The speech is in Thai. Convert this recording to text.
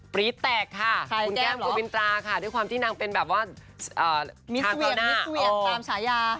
รี๊ดแตกค่ะคุณแก้มสุวินตราค่ะด้วยความที่นางเป็นแบบว่ามิดมิสเวียนตามฉายา